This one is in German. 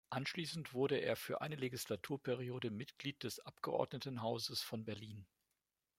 Anschließend wurde er für eine Legislaturperiode Mitglied des Abgeordnetenhauses von Berlin.